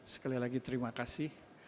sekali lagi terima kasih